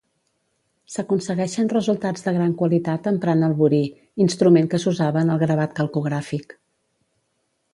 S'aconsegueixen resultats de gran qualitat emprant el burí, instrument que s'usava en el gravat calcogràfic.